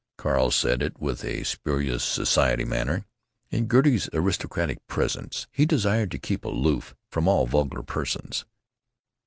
Carl said it with a spurious society manner. In Gertie's aristocratic presence he desired to keep aloof from all vulgar persons.